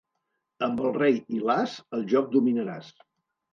Amb el rei i l'as el joc dominaràs.